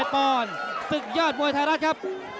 ปอนด์ศึกยอดมวยไทยรัฐครับ